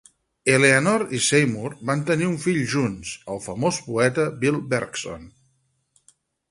Eleanor i Seymour van tenir un fill junts, el famós poeta Bill Berkson.